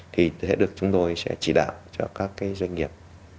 thì sẽ được chúng tôi sẽ chỉ đạo cho các cái doanh nghiệp